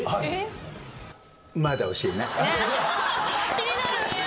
気になる！